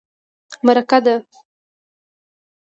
_مرکه ده.